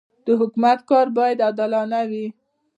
د حکومت کار باید عادلانه وي.